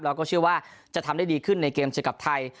แล้วก็เชื่อว่าจะทำได้ดีขึ้นในเกมเจอกับไทย